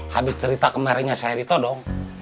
habis cerita kemarinnya saya dito dong